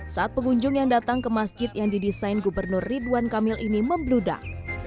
saat pengunjung yang datang ke masjid yang didesain gubernur ridwan kamil ini membludak